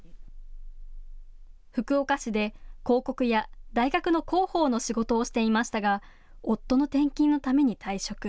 福岡市で広告や大学の広報の仕事をしていましたが夫の転勤のために退職。